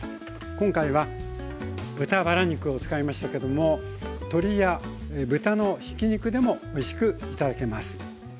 今回は豚バラ肉を使いましたけども鶏や豚のひき肉でもおいしくいただけます。